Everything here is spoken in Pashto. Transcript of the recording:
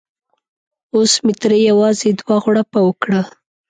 اوس مې ترې یوازې دوه غړپه وکړه.